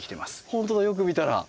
本当だよく見たら。